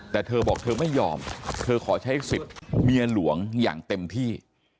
แต่เธอบอกเธอไม่ยอมเธอขอใช้สิทธิ์เมียหลวงอย่างเต็มที่